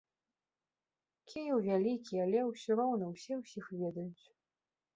Кіеў вялікі, але ўсё роўна ўсе ўсіх ведаюць.